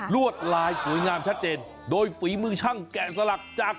วดลายสวยงามชัดเจนโดยฝีมือช่างแกะสลักจาก